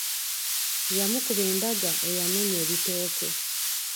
Yamukuba embaga eyamenya ebitooke.